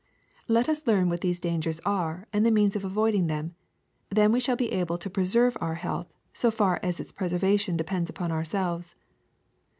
Let us learn what these dangers are and the means of avoiding them; then we shall be able to preserve our health, so far as its preservation depends upon ourselves.